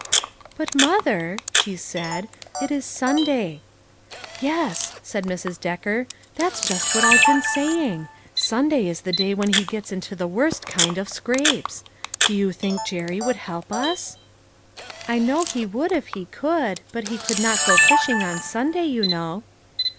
"But, mother," she said, "it is Sunday." "Yes," said Mrs. Decker, "that's just what I've been saying; Sunday is the day when he gets into the worst kind of scrapes. Do you think Jerry would help us ?"" I know he would if he could ; but he could not go fishing on Sunday, you know."